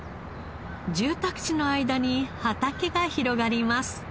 住宅地の間に畑が広がります。